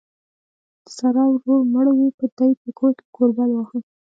د سارا ورور مړ وو؛ دې په کور کې کوربل واهه.